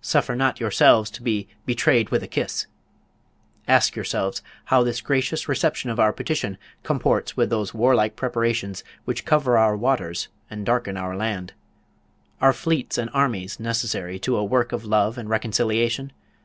Suffer not yourselves to be "betrayed with a kiss"! Ask yourselves, how this gracious reception of our petition comports with those warlike preparations which cover our waters and darken our land. Are fleets and armies necessary to a work of love and reconciliation?